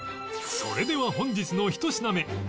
それでは本日の１品目